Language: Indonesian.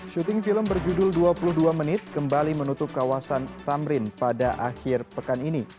syuting film berjudul dua puluh dua menit kembali menutup kawasan tamrin pada akhir pekan ini